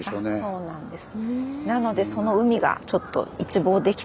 そうなんです。